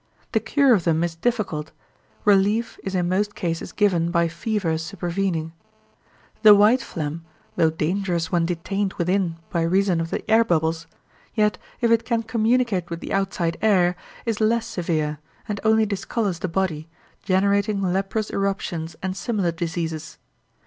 The cure of them is difficult; relief is in most cases given by fever supervening. The white phlegm, though dangerous when detained within by reason of the air bubbles, yet if it can communicate with the outside air, is less severe, and only discolours the body, generating leprous eruptions and similar diseases.